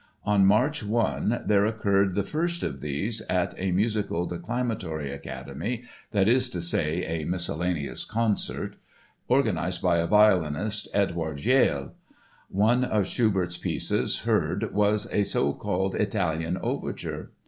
On March 1 there occurred the first of these, at a Musical Declamatory Academy (that is to say, a miscellaneous concert) organized by a violinist, Eduard Jaell. One of Schubert's pieces heard was a so called Italian Overture.